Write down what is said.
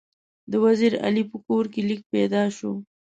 د وزیر علي په کور کې لیک پیدا شو.